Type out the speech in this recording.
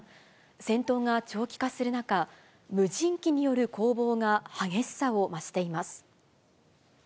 戦闘が長期化する中、無人機による攻防が激しさを増しています。